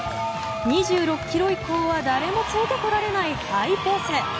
２６ｋｍ以降は誰もついてこられないハイペース。